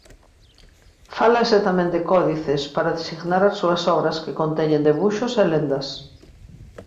Fálase tamén de "códices" para designar as súas obras que conteñen debuxos e lendas.